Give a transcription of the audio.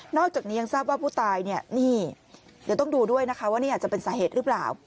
อกจากนี้ยังทราบว่าผู้ตายเนี่ยนี่เดี๋ยวต้องดูด้วยนะคะว่านี่อาจจะเป็นสาเหตุหรือเปล่า